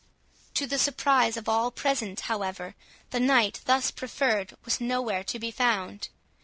To the surprise of all present, however, the knight thus preferred was nowhere to be found.